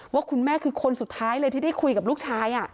ว่าคุณแม่คือคนสุดท้ายเลยที่ได้คุยกับลูกชาย